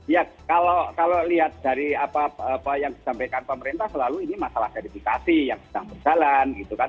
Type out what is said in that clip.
ya kalau lihat dari apa yang disampaikan pemerintah selalu ini masalah verifikasi yang sedang berjalan gitu kan